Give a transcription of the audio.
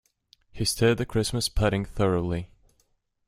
He stirred the Christmas pudding thoroughly.